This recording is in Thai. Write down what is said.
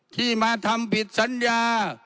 ที่มาทำผิดสัญญา